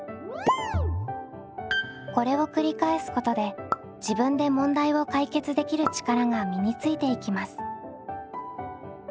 これを繰り返すことで自分で問題を解決できる力が身についていきます。